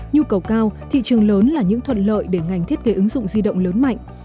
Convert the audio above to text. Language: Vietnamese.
nhu cầu cao thị trường lớn là những thuận lợi để ngành thiết kế ứng dụng di động lớn mạnh